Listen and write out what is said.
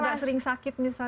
tidak sering sakit misalnya